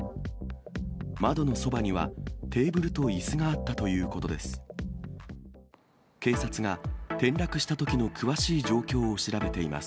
窓のそばにはテーブルといすがあったということです。